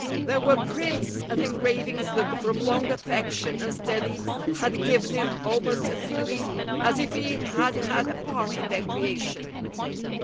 There were prints and engravings that from long affection and study had given him almost a feeling as if he had had a part in their creation.